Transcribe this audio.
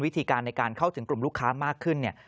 วิธีการในการเข้าถึงกลุ่มลูกค้ามากขึ้นเนี่ย